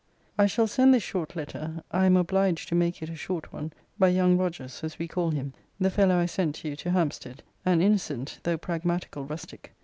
I shall send this short letter [I am obliged to make it a short one] by young Rogers, as we call him; the fellow I sent to you to Hampstead; an innocent, though pragmatical rustic.